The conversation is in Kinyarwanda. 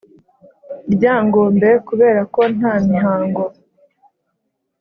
Ryangombe kubera ko nta mihango